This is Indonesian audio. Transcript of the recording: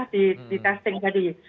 di testing tadi